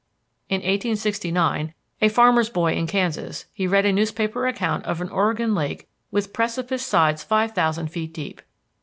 In 1869, a farmer's boy in Kansas, he read a newspaper account of an Oregon lake with precipice sides five thousand feet deep.